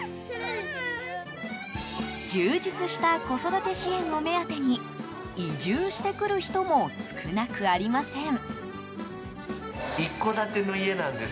充実した子育て支援を目当てに移住してくる人も少なくありません。